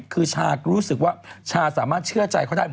คือชาก็รู้สึกว่าชาสามารถเชื่อใจเขาได้